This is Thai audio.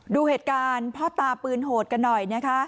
ดูเหตุการณ์พ่อตาปืนโหดกันหน่อยนะคะ